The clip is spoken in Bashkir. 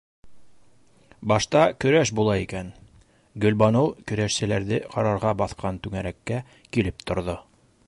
Башта көрәш була икән - Гөлбаныу көрәшселәрҙе ҡарарға баҫҡан түңәрәккә килеп торҙо.